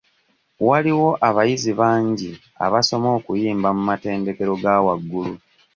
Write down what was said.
Waliwo abayizi bangi abasoma okuyimba mu matendekero ga waggulu.